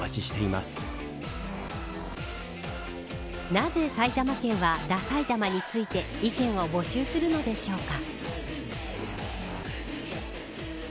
なぜ埼玉県はダさいたまについて意見を募集するのでしょうか。